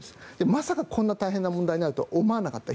まさかこんな大変な問題になるとは思わなかった。